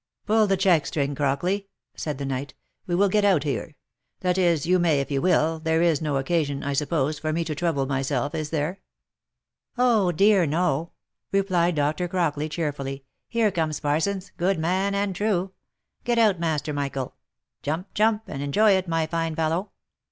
" Pull the check string, Crockley," said the knight, " We will get out here. That is, you may if you will, there is no occasion, I sup pose, for me to trouble myself, is there V' "Oh! dear no," replied Dr. Crockley, cheerfully. "Here comes Parsons, good man and true. Get out master Michael. Jump, jump, and enjoy it, my fine fellow